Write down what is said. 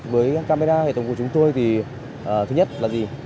với camera hệ thống của chúng tôi thì thứ nhất là gì